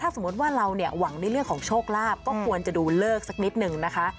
สมมุติว่าเราเนี่ยหวังในเรื่องของโชคลาภก็ควรจะดูเลิกสักนิดนึงนะคะ